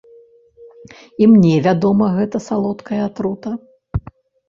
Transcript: І мне вядома гэта салодкая атрута!